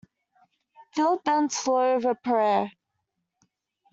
Philip bent low over Pierre.